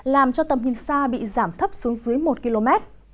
làm cho tầm nhìn xa bị giảm thấp xuống dưới một km